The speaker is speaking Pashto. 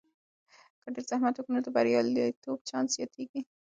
که ډیر زحمت وکړو، نو د بریالیتوب چانس زیاتیږي.